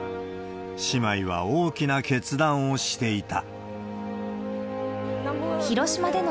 姉妹は大きな決断をしていた。